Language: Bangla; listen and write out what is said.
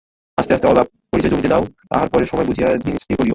আস্তে আস্তে আলাপ-পরিচয় জমিতে দাও, তাহার পরে সময় বুঝিয়া দিনস্থির করিয়ো।